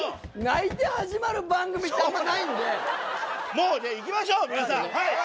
もうねいきましょう皆さん。